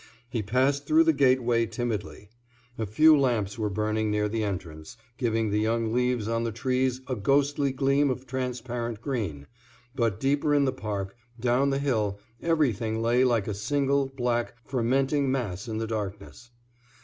He passed through the gateway timidly. A few lamps were burning near the entrance, giving the young leaves on the trees a ghostly gleam of transparent green, but deeper in the park, down the hill, everything lay like a single, black, fermenting mass in the darkness.